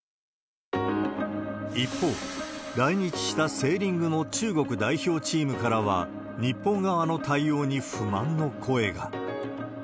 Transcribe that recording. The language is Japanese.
一方、来日したセーリングの中国代表チームからは、日本側の対応に不満の声が。